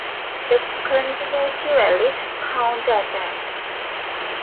The conservative elite counterattacked.